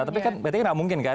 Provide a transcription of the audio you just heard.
tapi kan berarti nggak mungkin kan